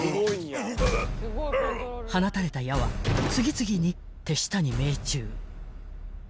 ［放たれた矢は次々に手下に命中］